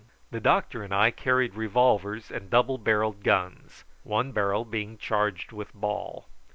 The doctor and I carried revolvers and double barrelled guns, one barrel being charged with ball.